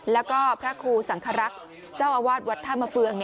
แล้วก็พระครูสังครักษ์เจ้าอาวาสวัดท่ามะเฟือง